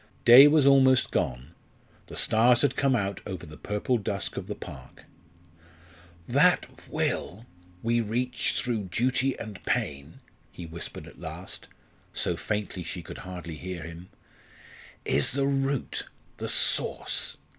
Day was almost gone; the stars had come out over the purple dusk of the park. "That Will we reach through duty and pain," he whispered at last, so faintly she could hardly hear him, "is the root, the source.